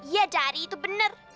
iya dari itu benar